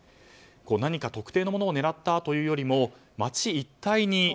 何か特定のものを狙ったというよりも街一帯に。